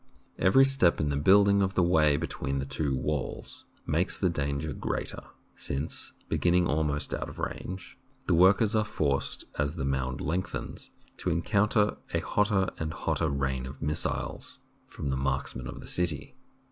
Every step in the building of the way between the two walls makes the danger greater, since, beginning almost out of range, the workers are forced, as A SIEGE IN THE EARLIEST TIMES the mound lengthens, to encounter a hotter and hotter rain of missiles from the marksmen of the city.